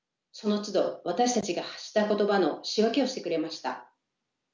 そのつど私たちが発した言葉の仕分けをしてくれました。